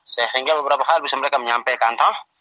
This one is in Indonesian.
sehingga beberapa hal bisa mereka menyampaikan